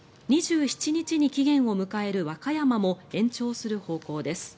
２７日に期限を迎える和歌山も延長する方向です。